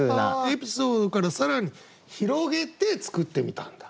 エピソードから更に広げて作ってみたんだ。